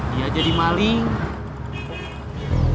dia jadi maling